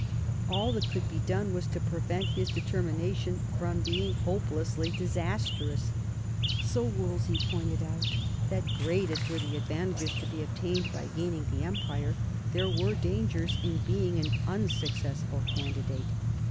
All that could be done was to prevent his determination from being hopelessly disastrous. So Wolsey pointed out that great as were the advantages to be obtained by gaining the empire, there were dangers in being an unsuccessful candidate.